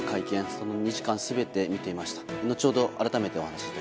その２時間全て見ていました。